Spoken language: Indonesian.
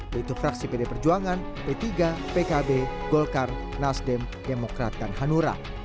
yaitu fraksi pd perjuangan p tiga pkb golkar nasdem demokrat dan hanura